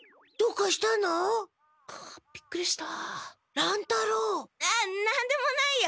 な何でもないよ。